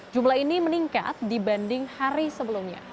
jumlah ini meningkat dibanding hari sebelumnya